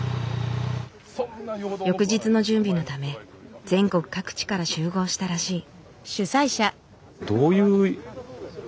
翌日の準備のため全国各地から集合したらしい。